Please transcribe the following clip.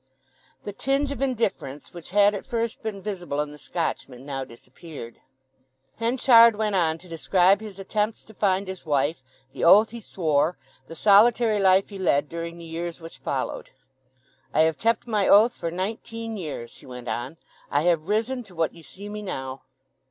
The tinge of indifference which had at first been visible in the Scotchman now disappeared. Henchard went on to describe his attempts to find his wife; the oath he swore; the solitary life he led during the years which followed. "I have kept my oath for nineteen years," he went on; "I have risen to what you see me now."